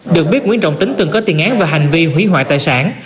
được biết nguyễn trọng tính từng có tiền án về hành vi hủy hoại tài sản